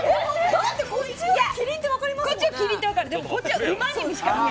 だって、こっちはキリンって分かりますもんね。